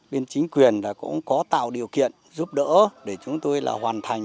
bên chính quyền cũng có tạo điều kiện giúp đỡ để chúng tôi là hoàn thành